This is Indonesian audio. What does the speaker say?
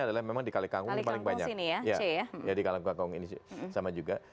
dan di jawa tengah juga